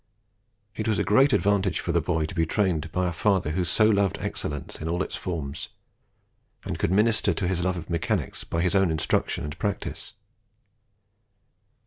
It was a great advantage for the boy to be trained by a father who so loved excellence in all its forms, and could minister to his love of mechanics by his own instruction and practice.